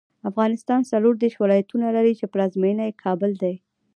افغانستان څلوردېرش ولایتونه لري، چې پلازمېنه یې کابل دی.